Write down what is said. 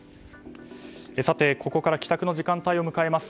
さて、ここから帰宅の時間帯を迎えます。